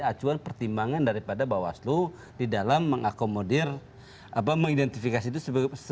sebuah pertimbangan daripada bahwa slu di dalam mengakomodir apa mengidentifikasi itu sebagai